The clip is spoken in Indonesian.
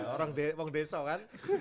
orang desa kan